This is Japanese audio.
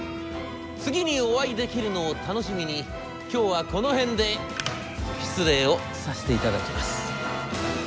次にお会いできるのを楽しみに今日はこの辺で失礼をさせて頂きます。